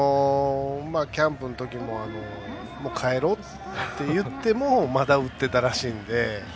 キャンプの時も帰ろうって言ってもまだ打ってたらしいので。